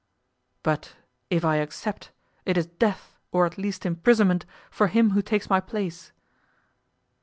"But if I accept, it is death, or at least imprisonment, for him who takes my place."